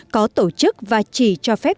có tổ chức và chỉ cho phép